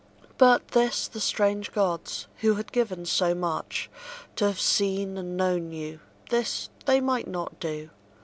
But this the strange gods, who had given so much, To have seen and known you, this they might not do.